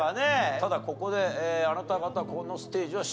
ただここであなた方ここのステージは終了。